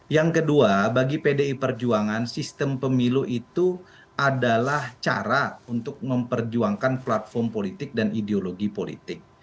yang kedua bagi pdi perjuangan sistem pemilu itu adalah cara untuk memperjuangkan platform politik dan ideologi politik